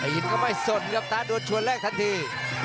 อินก็ไม่สนครับตาโดนชวนแรกทันที